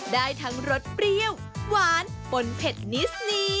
ได้ทั้งรสเปรี้ยวหวานปนเผ็ดนิสนี